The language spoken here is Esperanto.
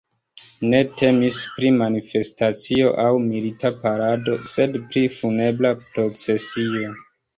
Ne temis pri manifestacio aŭ milita parado, sed pri funebra procesio.